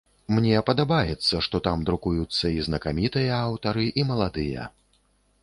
Мне падабаецца, што там друкуюцца і знакамітыя аўтары, і маладыя.